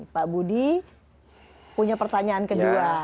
pak budi punya pertanyaan kedua